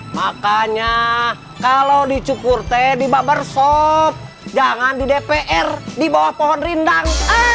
makanya kalau dicukur teh di bakber sop jangan di dpr di bawah pohon rindang